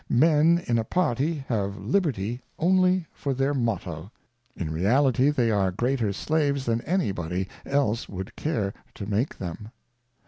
Men in a Party have Liberty only for their Motto ; in reality they are greater Slaves than any body else would care to make them.